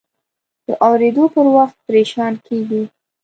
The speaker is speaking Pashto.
د اورېدو پر وخت پریشان کېږو.